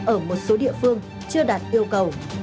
ở một số địa phương chưa đạt yêu cầu